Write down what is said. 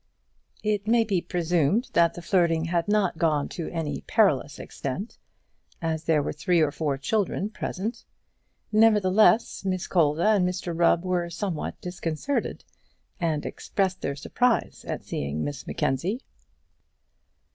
It may be presumed that the flirting had not gone to any perilous extent, as there were three or four children present. Nevertheless Miss Colza and Mr Rubb were somewhat disconcerted, and expressed their surprise at seeing Miss Mackenzie.